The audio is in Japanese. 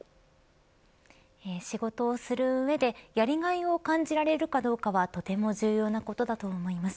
仕事をする上でやりがいを感じられるかどうかはとても重要なことだと思います。